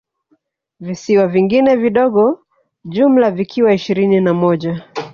Visiwa vingine vidogo jumla vikiwa ishirini na moja